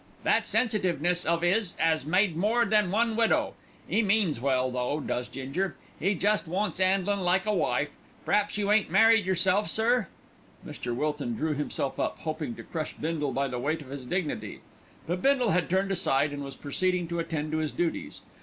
That sensitiveness of 'is 'as made more than one widow. 'E means well, though, does Ginger, 'e jest wants 'andlin' like a wife. P'raps you ain't married yourself, sir." Mr. Wilton drew himself up, hoping to crush Bindle by the weight of his dignity; but Bindle had turned aside and was proceeding to attend to his duties.